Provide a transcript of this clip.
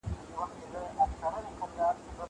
زه مخکي د کتابتون پاکوالی کړی وو!